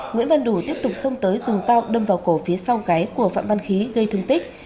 nguyễn văn đủ tiếp tục xông tới dùng dao đâm vào cổ phía sau gáy của phạm văn khí gây thương tích